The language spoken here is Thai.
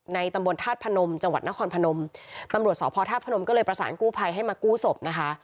ตำบลธาตุพนมจังหวัดนครพนมตำรวจสพธาตุพนมก็เลยประสานกู้ภัยให้มากู้ศพนะคะ